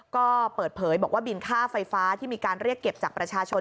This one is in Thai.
ก็เปิดเผยบอกว่าบินค่าไฟฟ้าที่มีการเรียกเก็บจากประชาชน